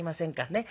ねっ。